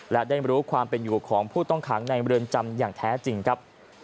และได้รู้ความเป็นอยู่ของผู้ต้องขังในเมืองจำอย่างแท้จริงครับ